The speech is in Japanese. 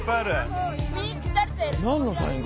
何のサイン？